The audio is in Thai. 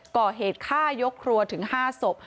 ก่อเหตุฆ่ายกครัวถึง๕ศพ